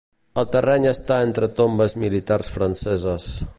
El terreny està entre tombes militars franceses.